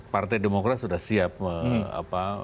partai demokrat sudah siap